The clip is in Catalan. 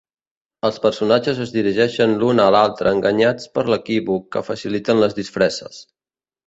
Els personatges es dirigeixen l'un a l'altra enganyats per l'equívoc que faciliten les disfresses.